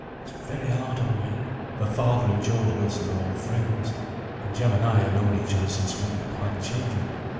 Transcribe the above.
It's very hard on me; for father and George Wilson are old friends; and Jem and I ha' known each other since we were quite children.